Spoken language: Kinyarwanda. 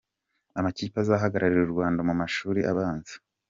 Amakipe azahagararira u Rwanda mu mashuri abanza.